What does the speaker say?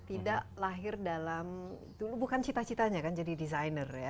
tidak lahir dalam dulu bukan cita citanya kan jadi desainer ya